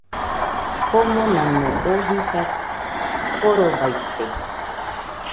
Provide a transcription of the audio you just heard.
Komonano oo jisa korobaite